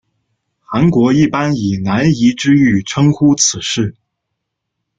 韩国一般以南怡之狱称呼此事。